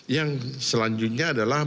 yang selanjutnya adalah